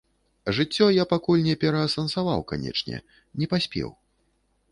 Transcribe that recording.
Жыццё я пакуль не пераасэнсаваў, канечне, не паспеў.